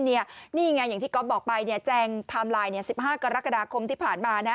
นี่ไงอย่างที่ก๊อฟบอกไปแจงไทม์ไลน์๑๕กรกฎาคมที่ผ่านมา